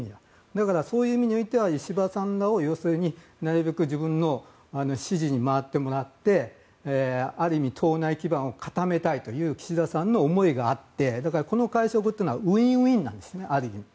だから、そういう意味では石破さんらをなるべく自分の支持に回ってもらって、ある意味党内基盤を固めたいという岸田さんの思いがあってこの会食というのはウィンウィンなんですある意味。